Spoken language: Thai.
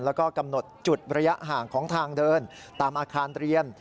แล้วก็กำหนดจุดระยะห่างของทางเดินตามอาคารเรียน